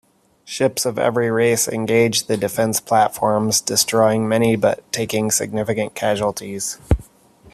Ships of every race engage the defense platforms, destroying many but taking significant casualties.